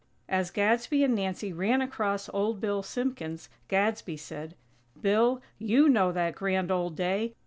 _" As Gadsby and Nancy ran across Old Bill Simpkins, Gadsby said: "Bill, you know that grand old day.